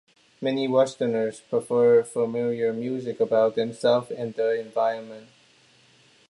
Many Westerners preferred familiar music about themselves and their environment.